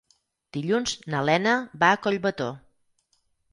Dilluns na Lena va a Collbató.